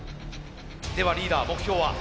ではリーダー目標は？